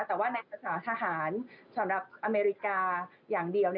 แต่ว่าในภาษาทหารสำหรับอเมริกาอย่างเดียว